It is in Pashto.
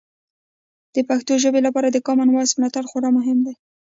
د پښتو ژبې لپاره د کامن وایس ملاتړ خورا مهم دی.